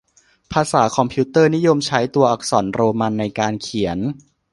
ภาษาคอมพิวเตอร์ นิยมใช้ตัวอักษรโรมันในการเขียน